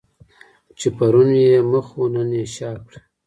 چې پرون یې مخ وو نن یې شا کړه.